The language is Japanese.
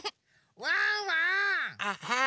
・ワンワーン！